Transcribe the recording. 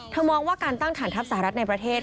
มองว่าการตั้งฐานทัพสหรัฐในประเทศ